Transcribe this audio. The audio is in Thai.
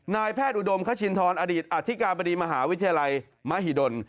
นายแพทย์อุดมคชินทรอดีตอธิการบดีมหาวิทยาลัยมหิดล